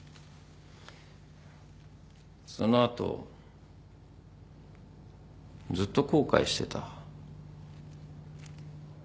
その後ずっと後悔してた。